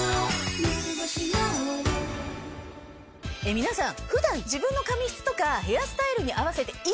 皆さん。